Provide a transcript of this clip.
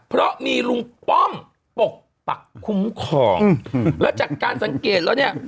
เพราะมีลุงป้อมปกปักคุ้มครองแล้วจากการสังเกตแล้วเนี่ย